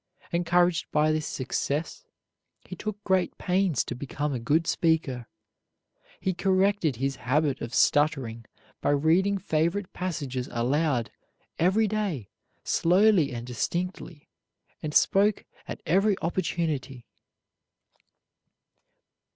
Encouraged by this success, he took great pains to become a good speaker. He corrected his habit of stuttering by reading favorite passages aloud every day slowly and distinctly, and spoke at every opportunity.